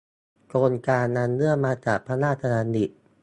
โครงการอันเนื่องมาจากพระราชดำริ